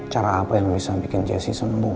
cara apa yang bisa bikin jesse sembuh